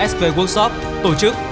sp workshop tổ chức